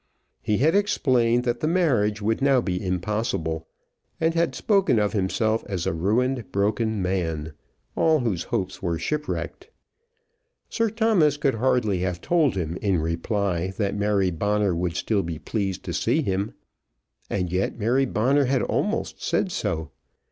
He had explained that the marriage would now be impossible, and had spoken of himself as a ruined, broken man, all whose hopes were shipwrecked. Sir Thomas could hardly have told him in reply that Mary Bonner would still be pleased to see him. And yet Mary Bonner had almost said so.